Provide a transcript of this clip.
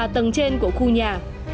tầng trên của khu nhà